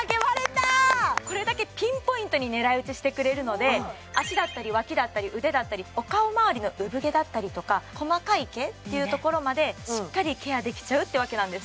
これだけピンポイントに狙いうちしてくれるので脚だったりワキだったり腕だったりお顔まわりのうぶ毛だったりとか細かい毛っていうところまでしっかりケアできちゃうってわけなんです